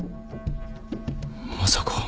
まさか？